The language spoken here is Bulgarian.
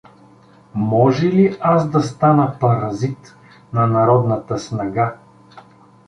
Може ли аз да стана паразит на народната снага?